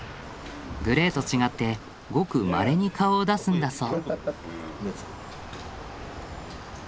グレーと違ってごくまれに顔を出すんだそう。